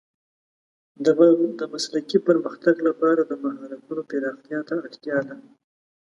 د مسلکي پرمختګ لپاره د مهارتونو پراختیا ته اړتیا ده.